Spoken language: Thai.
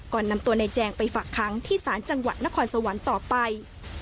นำตัวในแจงไปฝากค้างที่ศาลจังหวัดนครสวรรค์ต่อไป